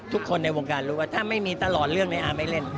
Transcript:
ทุกคนในวงการรู้ว่าถ้าไม่มีตลอดเรื่องในอาร์ไม่เล่น